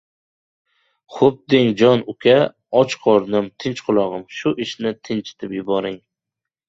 — Xo‘p deng, jon uka. Och qornim, tinch qulog‘im. Shu ishni tinchitib yuboring.